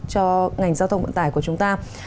cho ngành giao thông vận tải của chúng ta